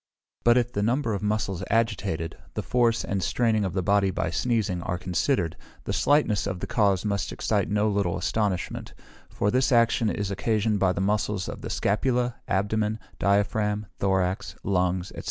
But if the number of muscles agitated, the force and straining of the body by sneezing, are considered; the slightness of the cause must excite no little astonishment; for this action is occasioned by the muscles of the scapula, abdomen, diaphragm, thorax, lungs, &c.